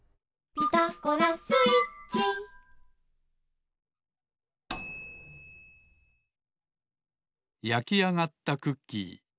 「ピタゴラスイッチ」やきあがったクッキー